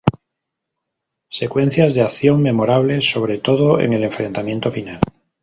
Secuencias de acción memorables, sobre todo en el enfrentamiento final".